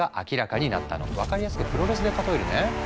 分かりやすくプロレスで例えるね。